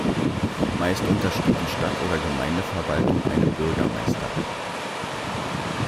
Meist untersteht die Stadt- oder Gemeindeverwaltung einem Bürgermeister.